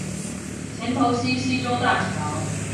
頭前溪溪州大橋